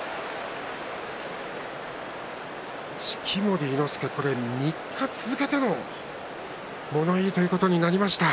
式守伊之助、３日続けて物言いということになります。